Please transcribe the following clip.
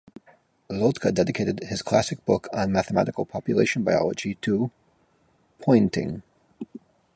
Lotka dedicated his classic book on mathematical population biology to Poynting.